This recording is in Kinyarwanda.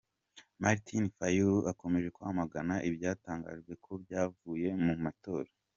Martin Fayulu, akomeje kwamagana ibyatangajwe ko byavuye mu matora.